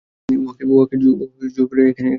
উহাকে জোর করিয়া এখানে আনা উচিত।